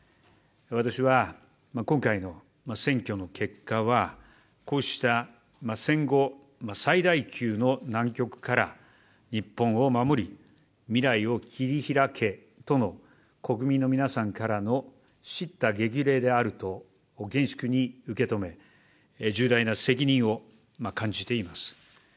私は、今回の選挙の結果は、こうした戦後最大級の難局から日本を守り、未来を切り開けとの、国民の皆さんからのしった激励であると厳粛に受け止め、重大な責任を感じています。